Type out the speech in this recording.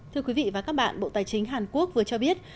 thưa quý vị và các bạn bộ tài chính hàn quốc vừa cho biết